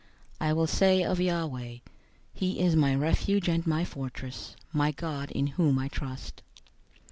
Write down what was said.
091:002 I will say of Yahweh, "He is my refuge and my fortress; my God, in whom I trust."